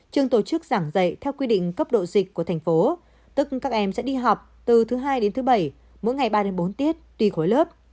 trường tổ chức giảng dạy theo quy định cấp độ dịch của thành phố tức các em sẽ đi học từ thứ hai đến thứ bảy mỗi ngày ba đến bốn tiết tùy khối lớp